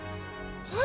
えっ？